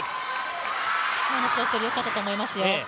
今のコースもよかったと思いますよ。